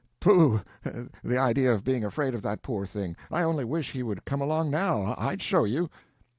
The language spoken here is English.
Pooh! the idea of being afraid of that poor thing! I only wish he would come along now—I'd show you!"